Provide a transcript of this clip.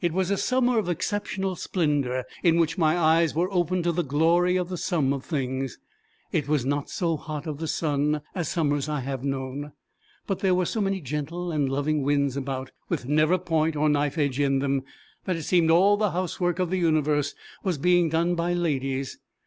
It was a summer of exceptional splendour in which my eyes were opened to "the glory of the sum of things." It was not so hot of the sun as summers I have known, but there were so many gentle and loving winds about, with never point or knife edge in them, that it seemed all the housework of the universe was being done by ladies.